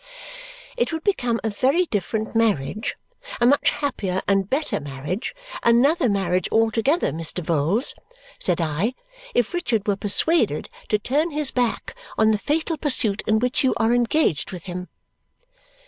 "It would become a very different marriage, a much happier and better marriage, another marriage altogether, Mr. Vholes," said I, "if Richard were persuaded to turn his back on the fatal pursuit in which you are engaged with him."